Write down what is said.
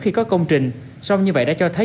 khi có công trình xong như vậy đã cho thấy